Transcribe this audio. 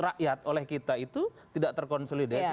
rakyat oleh kita itu tidak terkonsolidasi